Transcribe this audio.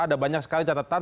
ada banyak sekali catatan